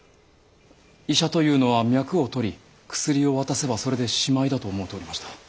医者というのは脈を取り薬を渡せばそれでしまいだと思うておりました。